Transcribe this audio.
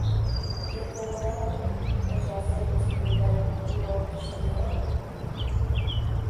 Тый колынат мо: иктаж ялсовет секретарь курортыш миен?